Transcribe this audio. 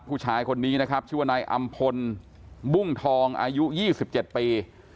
ผู้ชายคนนี้นะครับชื่อว่านายอำพลบุ้งทองอายุ๒๗ปี